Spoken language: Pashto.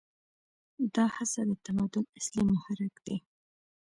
دا هڅه د تمدن اصلي محرک دی.